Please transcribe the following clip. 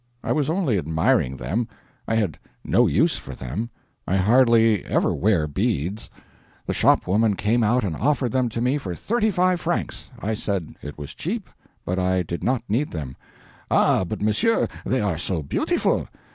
I was only admiring them; I had no use for them; I hardly ever wear beads. The shopwoman came out and offered them to me for thirty five francs. I said it was cheap, but I did not need them. "Ah, but monsieur, they are so beautiful!"